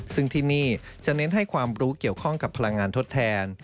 ซึ่งที่นี่จะเน้นให้ความรู้เกี่ยวข้องกับพลังงานทดแทน